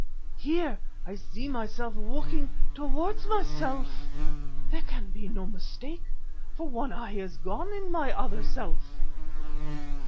Here I see myself walking towards myself. There can be no mistake, for one eye is gone in my other self."